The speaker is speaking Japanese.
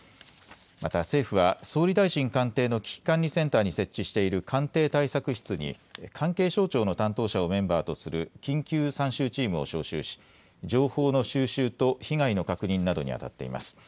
また政府は総理大臣官邸の危機管理センターに設置している官邸対策室に関係省庁の担当者をメンバーとする緊急参集チームを招集し情報の収集と被害の確認などにあたっています。